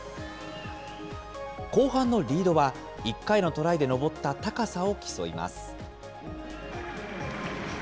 後半のリードは、１回のトライで登った高さを競います。